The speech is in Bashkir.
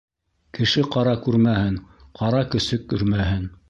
Кеше-ҡара күрмәһен, ҡара көсөк өрмәһен.